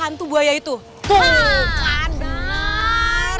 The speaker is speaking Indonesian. ya ini nyalah tuh justernya selama ber circulator